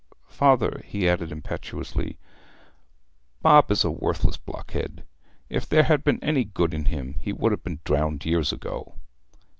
Father,' he added impetuously, 'Bob is a worthless blockhead! If there had been any good in him he would have been drowned years ago!'